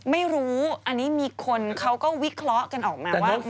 ไม่รู้อันนี้มีคนเขาก็วิเคราะห์กันออกมาว่ามันเป็นแบบนั้นหรือเปล่า